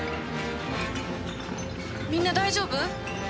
みんな大丈夫？